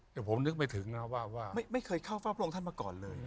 แต่ผมนึกไปถึงนะว่าไม่เคยเข้าเฝ้าพระองค์ท่านมาก่อนเลย